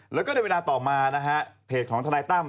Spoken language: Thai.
แล้วก็ในเวลาต่อมานะฮะเพจของทนายตั้ม